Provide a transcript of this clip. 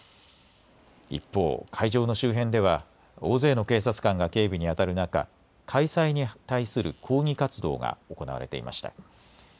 一方、会場の周辺では大勢の警察官が警備にあたる中、開催に対する抗議活動が行われていました。